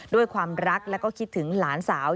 ด้วยความรักแล้วก็คิดถึงหลานสาว